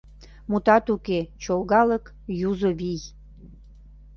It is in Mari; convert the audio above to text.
Мутат уке, чолгалык — юзо вий.